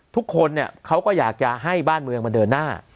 ทุกคนเนี่ยเขาก็อยากจะให้บ้านเมืองมันเดินหน้า